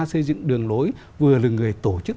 xây dựng đường lối vừa là người tổ chức